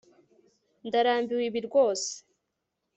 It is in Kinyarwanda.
ndarambiwe ibi rwose